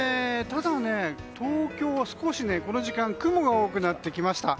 ただね、東京は少しこの時間雲が多くなってきました。